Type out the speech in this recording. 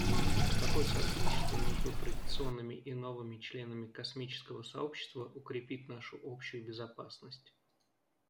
Такое сотрудничество между традиционными и новыми членами космического сообщества укрепит нашу общую безопасность.